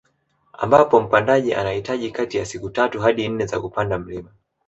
Ambapo mpandaji anahitaji kati ya siku tatu hadi nne za kupanda mlima